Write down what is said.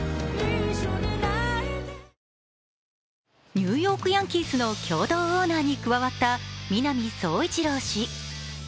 ニューヨーク・ヤンキースの共同オーナーに加わった南壮一郎氏。